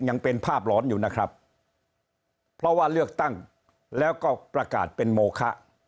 ยังเป็นภาพหลอนอยู่นะครับเพราะว่าเลือกตั้งแล้วก็ประกาศเป็นโมคะ